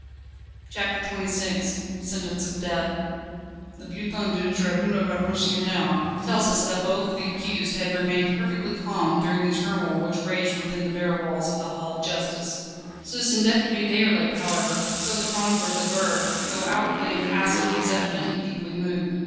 CHAPTER XXVI Sentence of death. The "Bulletin du Tribunal Révolutionnaire" tells us that both the accused had remained perfectly calm during the turmoil which raged within the bare walls of the Hall of Justice. Citizen Deputy Déroulède, however, so the chroniclers aver, though outwardly impassive, was evidently deeply moved.